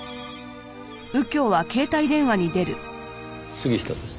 杉下です。